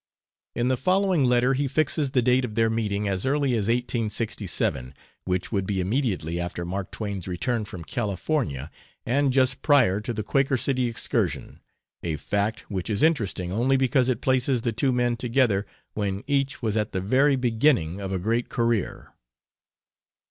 In the following letter he fixes the date of their meeting as early in 1867, which would be immediately after Mark Twain's return from California, and just prior to the Quaker City excursion a fact which is interesting only because it places the two men together when each was at the very beginning of a great career.